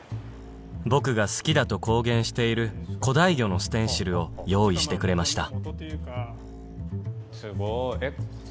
僕が好きだと公言している古代魚のステンシルを用意してくれましたすごい。